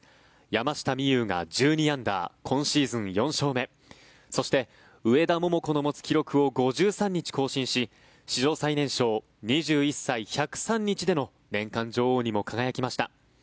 山下美夢有、１２アンダー今シーズン４勝目そして、上田桃子の持つ記録を５３日更新し史上最年少、２１歳１０３日での年間女王にも輝きました。